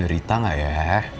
derita gak ya